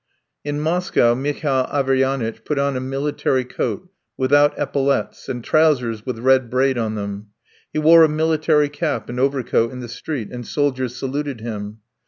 In Moscow Mihail Averyanitch put on a military coat without epaulettes and trousers with red braid on them. He wore a military cap and overcoat in the street, and soldiers saluted him.